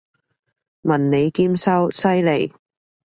文理兼修，犀利！